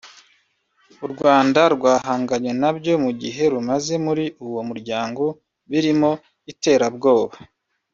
u Rwanda rwahanganye nabyo mu gihe rumaze muri uwo muryango birimo iterabwoba